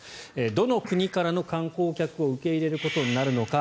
どの国からの観光客を受け入れることになるのか。